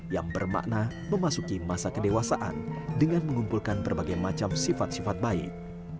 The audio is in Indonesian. yang bermakna memasuki masa kedewasaan dengan mengumpulkan berbagai macam sifat sifat baik